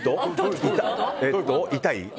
痛い。